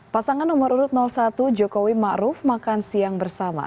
pasangan nomor urut satu jokowi ma'ruf makan siang bersama